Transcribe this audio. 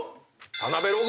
田辺ログ。